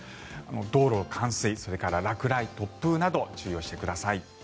道路冠水それから落雷、突風など注意をしてください。